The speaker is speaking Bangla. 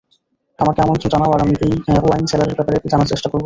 আমাকে আমন্ত্রন জানাও আর আমি ওই ওয়াইন সেলারের ব্যাপারে জানার চেষ্টা করব।